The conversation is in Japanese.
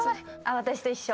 「私と一緒」